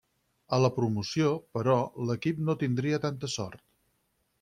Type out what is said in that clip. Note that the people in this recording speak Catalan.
A la promoció, però, l'equip no tindria tanta sort.